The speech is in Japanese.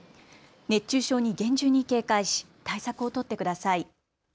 熱中症に厳重に警戒し対策を取ってください。